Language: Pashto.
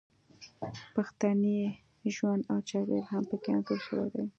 پښتني ژوند او چاپیریال هم پکې انځور شوی دی